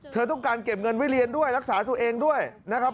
เธอต้องการเก็บเงินไว้เรียนด้วยรักษาตัวเองด้วยนะครับ